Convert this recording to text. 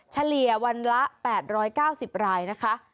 เฉลี่ยวันละ๘๙๐รายนะคะ